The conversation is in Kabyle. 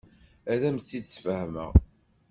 Ad am-tt-id-sfehmeɣ.